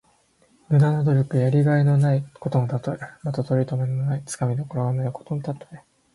無駄な努力。やりがいのないことのたとえ。また、とりとめがない、つかみどころがないことのたとえ。